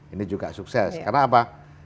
ini juga sukses karena apa